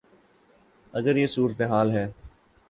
اگر یہ صورتحال ہے۔